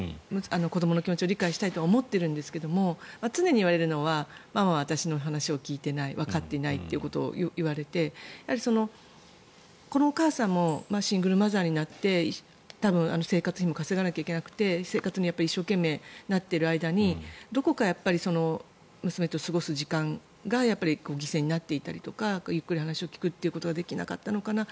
子どもの気持ちを理解したいと思っているんですけれども常に言われるのはママは私の話を聞いていないわかっていないということをよく言われて、このお母さんもシングルマザーになって多分、生活費も稼がなきゃいけなくて生活に一生懸命になっている間にどこか娘と過ごす時間が犠牲になったりとかゆっくり話を聞くことができなかったのかな。